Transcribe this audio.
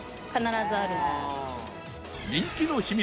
人気の秘密